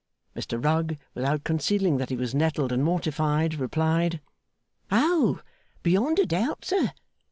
Mr Rugg, without concealing that he was nettled and mortified, replied: 'Oh! Beyond a doubt, sir.